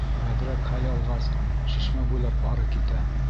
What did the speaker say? Әҙерәк хәл алғас, шишмә буйлап ары китә.